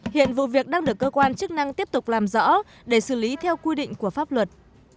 hiện vụ việc đang được cơ quan chức năng tiếp tục làm rõ để xử lý theo quy định của pháp luật